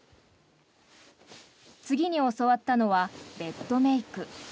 次に教わったのはベッドメイク。